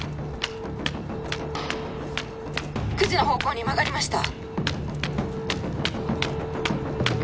９時の方向に曲がりました